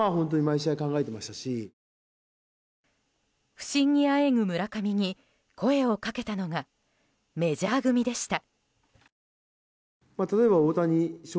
不振にあえぐ村上に声をかけたのがメジャー組でした。